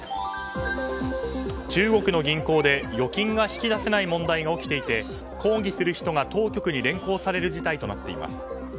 中国の銀行で預金が引き出せない問題が起きていて抗議する人が当局に連行される事態となっています。